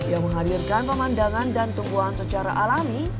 yang menghadirkan pemandangan dan tumbuhan secara alami